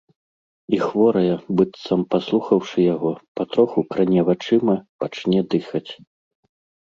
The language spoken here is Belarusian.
І хворая, быццам паслухаўшы яго, патроху кране вачыма, пачне дыхаць.